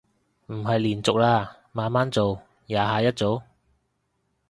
唔係連續啦，慢慢做，廿下一組